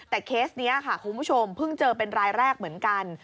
แต่เคสนี้ค่ะคุณผู้ชมเพิ่งเจอเป็นรายแรกเหมือนกัน